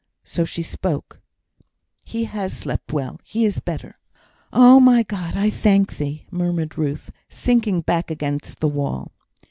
So she spoke. "He has slept well: he is better." "Oh! my God, I thank Thee," murmured Ruth, sinking back against the wall.